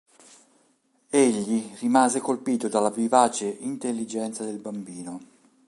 Egli rimase colpito dalla vivace intelligenza del bambino.